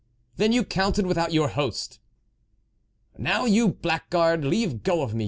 " Then you counted without your host." " Now, you blackguard, leave go of me